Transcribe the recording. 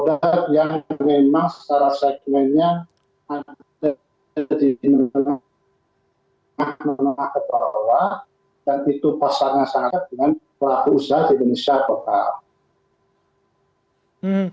dan itu pasarnya sangat dengan pelaku usaha di indonesia total